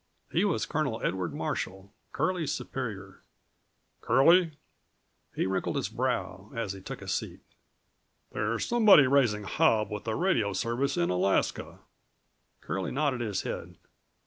He was Colonel Edward Marshall, Curlie's superior. "Curlie," he wrinkled his brow, as he took a seat, "there's somebody raising hob with the radio service in Alaska." Curlie nodded his head.